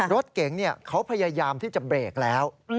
รถเก๋งเขาพยายามที่จะเบรกแล้ว